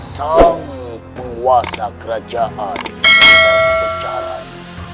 sang penguasa kerajaan pajajaran